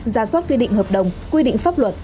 ra soát quy định hợp đồng quy định pháp luật